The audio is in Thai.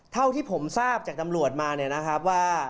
เท่าที่ผมทราบจากตำรวจมาเนี่ยนะครับว่า